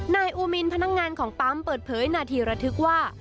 นายอูมินพนักงานของปั๊มเปิดเผยนาทีระทึกว่า